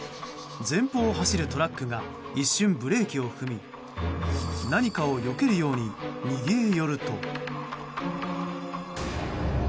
前方を走るトラックが一瞬ブレーキを踏み何かをよけるように右へ寄ると。